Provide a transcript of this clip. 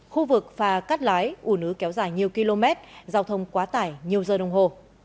khu vực phà cắt lái un ứ kéo dài nhiều km giao thông quá tải nhiều giờ đồng hồ